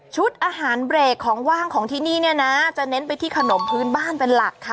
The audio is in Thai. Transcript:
อาหารเบรกของว่างของที่นี่เนี่ยนะจะเน้นไปที่ขนมพื้นบ้านเป็นหลักค่ะ